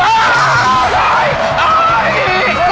โอ้ยโอ้ยโอ้ย